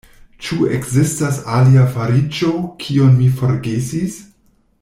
Ĉu ekzistas alia fariĝo, kiun mi forgesis?